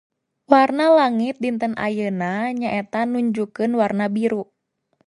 Warna langi dinten ayeuna nyaeta nunjukeun warna biru